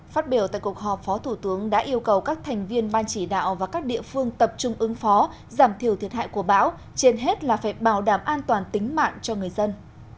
phát biểu tại cuộc họp phó thủ tướng đã yêu cầu các thành viên ban chỉ đạo và các địa phương tập trung ứng phó giảm thiểu thiệt hại của bão trên hết là phải bảo đảm an toàn tính mạng cho người dân